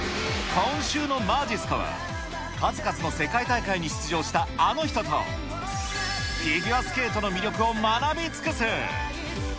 今週のまじっすかは、数々の世界大会に出場したあの人と、フィギュアスケートの魅力を学び尽くす。